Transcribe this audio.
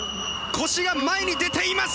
腰が前に出ています！